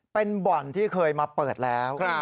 เป็นบ่อนที่เคยมาเปิดแล้ว